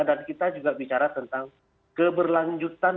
kita juga bicara tentang keberlanjutan